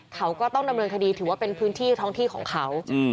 เขาก็ต้องดำเนินคดีถือว่าเป็นพื้นที่ท้องที่ของเขา